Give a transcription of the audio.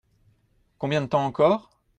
Combien de temps encore ?